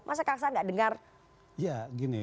masa kang saar gak dengar ya gini